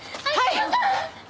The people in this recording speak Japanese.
はい！